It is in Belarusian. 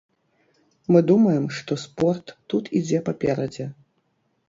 Мы думаем, што спорт тут ідзе паперадзе.